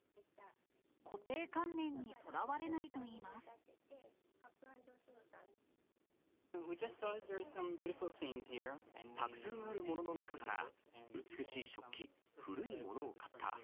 固定観念にとらわれないといたくさんあるものの中から、美しい食器、古いものを買った。